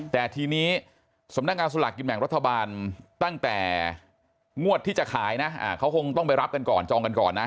แต่ทีนี้สำนักงานสลากกินแบ่งรัฐบาลตั้งแต่งวดที่จะขายนะเขาคงต้องไปรับกันก่อนจองกันก่อนนะ